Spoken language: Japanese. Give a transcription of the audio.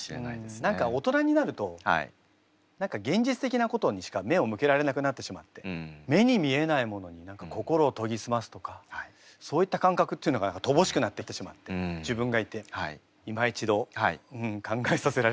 何か大人になると現実的なことにしか目を向けられなくなってしまって目に見えないものに心を研ぎ澄ますとかそういった感覚っていうのが乏しくなってきてしまった自分がいていま一度考えさせられた。